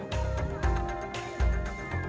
nah ini sudah hilang